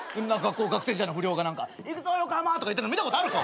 学生時代の不良が「いくぞ横浜」とか言ってんの見たことあるか？